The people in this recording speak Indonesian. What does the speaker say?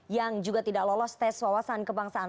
yang juga tidak lolos tes wawasan kebangsaan